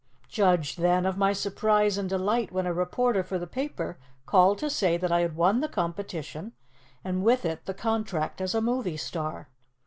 Judge, then, of my surprise and delight, when a reporter for the paper called to say that I had won the competition and with it the contract as a movie star.